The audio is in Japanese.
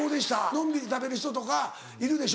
のんびり食べる人とかいるでしょ。